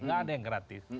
nggak ada yang gratis